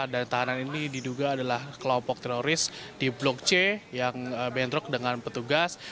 dan tahanan ini diduga adalah kelompok teroris di blok c yang bentrok dengan petugas